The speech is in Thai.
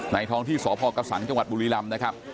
ในท้องที่สพกับสังจบุรีลำนะครับ